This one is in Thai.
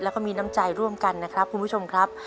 แล้วก็มีน้ำใจร่วมกันนะครับคุณผู้ชมครับ